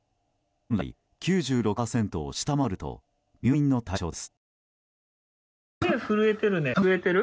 本来、９６％を下回ると入院の対象です。